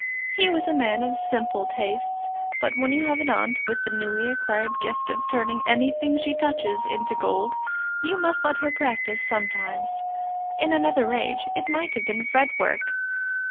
He was a man of simple tastes, but when you have an aunt with the newly acquired gift of turning anything she touches to gold, you must let her practise sometimes. In another age it might have been fretwork.